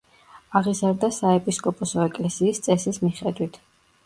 აღიზარდა საეპისკოპოსო ეკლესიის წესის მიხედვით.